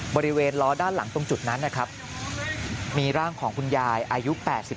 บริเวณล้อด้านหลังตรงจุดนั้นนะครับมีร่างของคุณยายอายุ๘๓